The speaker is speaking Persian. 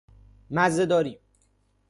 مزه داری